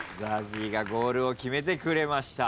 ＺＡＺＹがゴールを決めてくれました。